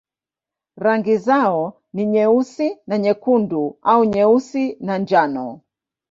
Rangi zao ni nyeusi na nyekundu au nyeusi na njano.